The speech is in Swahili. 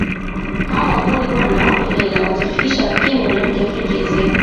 Hao Wangoni bwana wape hela watafikisha lakini mwanamke hafiki aisee